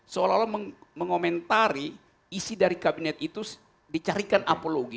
seolah olah mengomentari isi dari kabinet itu dicarikan apologi